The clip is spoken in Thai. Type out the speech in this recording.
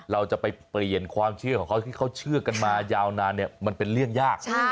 เราจะไปเปลี่ยนความเชื่อของเขาที่เขาเชื่อกันมายาวนานเนี่ยมันเป็นเรื่องยาก